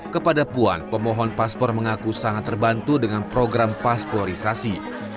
kepada puan pemohon paspor mengaku sangat terbantu dengan program pasporisasi